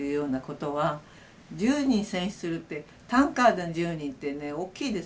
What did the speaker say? １０人戦死するってタンカーでの１０人ってね大きいですよ。